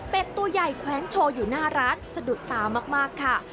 เป็นตัวใหญ่แขวนโชว์อยู่หน้าร้านสะดุดตามากค่ะ